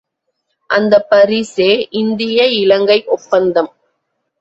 அந்தப் பரிசே இந்திய இலங்கை ஒப்பந்தம்.